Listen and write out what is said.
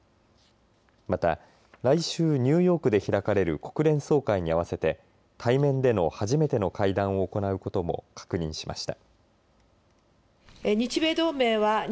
また来週ニューヨークで開かれる国連総会に合わせて対面での初めての会談を行うことも確認しました。